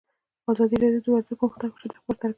ازادي راډیو د ورزش پرمختګ او شاتګ پرتله کړی.